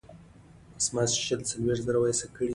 ژبې د افغانستان طبعي ثروت دی.